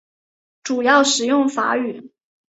主要使用法语。